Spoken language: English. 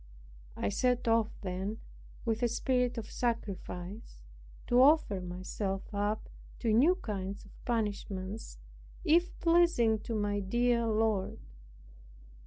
I set off then with a spirit of sacrifice, to offer myself up to new kinds of punishments, if pleasing to my dear Lord.